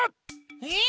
えっ？